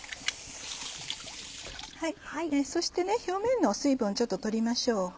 そして表面の水分をちょっと取りましょう。